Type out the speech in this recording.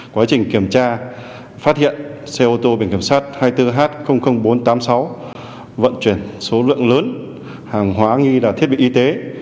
quá trình kiểm tra phát hiện xe ô tô biển kiểm soát hai mươi bốn h bốn trăm tám mươi sáu vận chuyển số lượng lớn hàng hóa nghi là thiết bị y tế